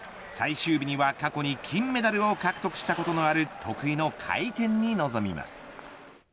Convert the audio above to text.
最終日には、過去に金メダルを獲得したことのある得意の回転に臨みます。